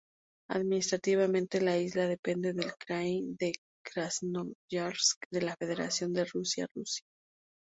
Administrativamente, la isla depende del krai de Krasnoyarsk de la Federación de Rusia, Rusia.